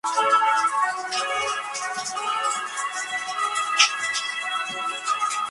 Juega de mediocampista y su actual club es Leicester City de la Premier League.